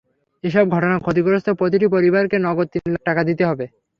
এসব ঘটনায় ক্ষতিগ্রস্ত প্রতিটি পরিবারকে নগদ তিন লাখ টাকা দিতে হবে।